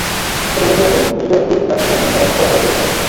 তবে লক্ষ্য রাখুন শিশুদের টুথ ব্রাশটি যেন নরম শলাকার তৈরি হয়।